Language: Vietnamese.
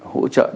hỗ trợ đồng chí